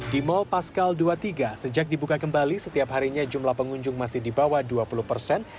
di mall pascal dua puluh tiga sejak dibuka kembali setiap harinya jumlah pengunjung masih di bawah dua puluh persen